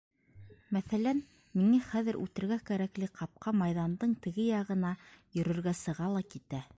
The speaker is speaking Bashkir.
Мәҫәлән, миңә хәҙер үтергә кәрәкле ҡапҡа майҙандың теге яғына йөрөргә сыға ла китә!